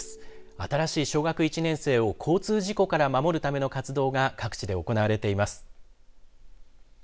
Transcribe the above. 新しい小学１年生を交通事故から守るための活動が各地で行われています。